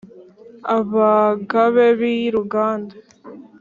abagabe b’i ruganda